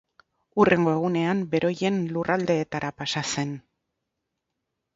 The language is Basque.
Hurrengo egunean beroien lurraldeetara pasa zen.